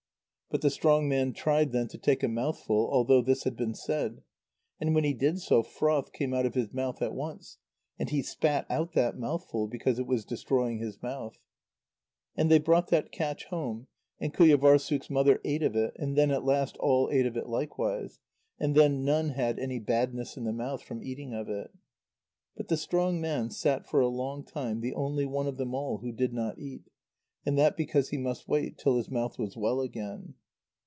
But the strong man tried then to take a mouthful, although this had been said. And when he did so, froth came out of his mouth at once. And he spat out that mouthful, because it was destroying his mouth. And they brought that catch home, and Qujâvârssuk's mother ate of it, and then at last all ate of it likewise, and then none had any badness in the mouth from eating of it. But the strong man sat for a long time the only one of them all who did not eat, and that because he must wait till his mouth was well again.